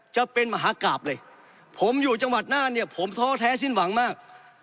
จะเป็นมหากราบเลยผมอยู่จังหวัดน่านเนี่ยผมท้อแท้สิ้นหวังมาก